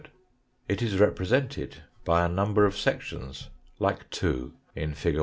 It is represented by a number of sections like 2 in fig.